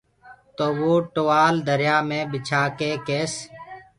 تو وو ٽوآل دريآ مي ٻِڇآ ڪي ڪيس۔